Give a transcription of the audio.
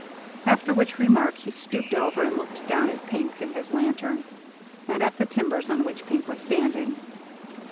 After which remark, he stooped over and looked down at Pink and his lantern, and at the timbers on which Pink was standing.